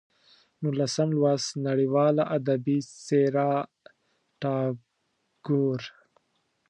نولسم لوست: نړیواله ادبي څېره ټاګور